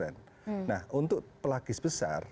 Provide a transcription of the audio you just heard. nah untuk pelagis besar